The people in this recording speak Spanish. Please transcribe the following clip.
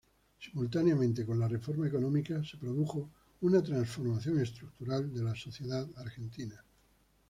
Simultáneamente con la reforma económica se produjo una transformación estructural de la sociedad argentina.